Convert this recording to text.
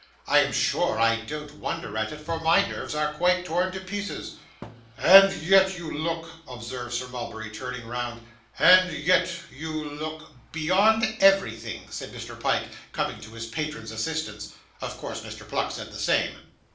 'I am sure I don't wonder at it, for my nerves are quite torn to pieces.' 'And yet you look,' observed Sir Mulberry, turning round; 'and yet you look ' 'Beyond everything,' said Mr. Pyke, coming to his patron's assistance. Of course Mr. Pluck said the same.